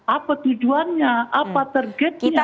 apa tujuannya apa targetnya